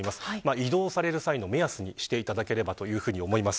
移動される際の目安にしていただければと思います。